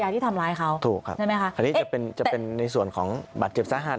ที่ทำร้ายเขาใช่ไหมคะเอ๊ะถูกครับคันนี้จะเป็นในส่วนของบัตรเจ็บสะหัส